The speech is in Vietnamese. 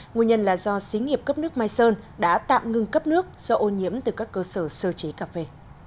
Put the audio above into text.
nguyên nhân là do xí nghiệp cấp nước mai sơn đã tạm ngưng cấp nước do ô nhiễm từ các cơ sở sơ chế cà phê